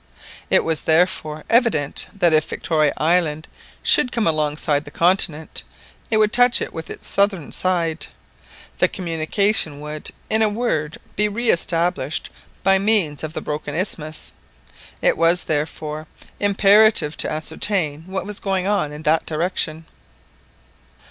It was, therefore, evident that if Victoria Island should come alongside of the continent, it would touch it with its southern side,—the communication would, in a word, be re established by means of the broken isthmus; it was, therefore, imperative to ascertain what was going on in that direction.